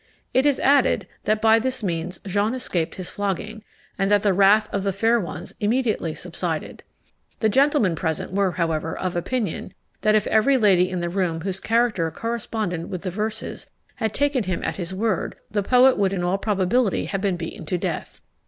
It is added, that by this means Jean escaped his flogging, and that the wrath of the fair ones immediately subsided. The gentlemen present were, however, of opinion, that if every lady in the room whose character corresponded with the verses had taken him at his word; the poet would in all probability have been beaten to death.